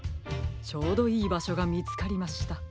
ちょうどいいばしょがみつかりました。